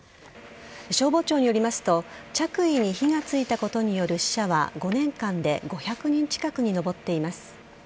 消防庁によりますと着衣に火がついたことによる死者は５年間で５００人近くに上っています。